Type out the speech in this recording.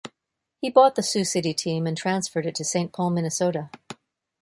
He bought the Sioux City team and transferred it to Saint Paul, Minnesota.